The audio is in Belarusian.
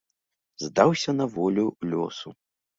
Здаўся на волю лёсу.